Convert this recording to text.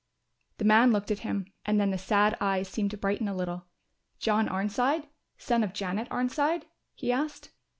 The man looked at him and then the sad eyes seemed to brighten a little. "John Arnside, son of Janet Arnside?" he asked.